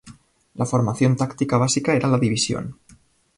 La formación táctica básica era la división.